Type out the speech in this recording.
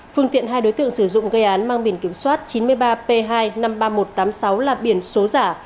phương tiện hai đối tượng sử dụng gây án mang biển kiểm soát chín mươi ba p hai năm mươi ba nghìn một trăm tám mươi sáu là biển số giả